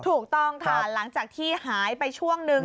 ถูกต้องค่ะหลังจากที่หายไปช่วงนึง